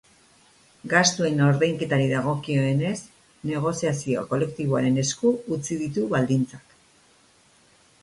Gastuen ordainketari dagokionez, negoziazio kolektiboaren esku utzi ditu baldintzak.